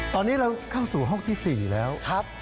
ตอนนี้เราเข้าสู่ห้องที่๔แล้วครับ